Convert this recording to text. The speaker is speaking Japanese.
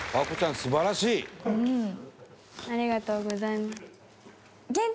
ありがとうございます。